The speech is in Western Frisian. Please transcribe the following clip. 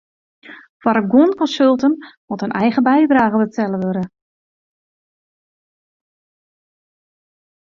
Foar guon konsulten moat in eigen bydrage betelle wurde.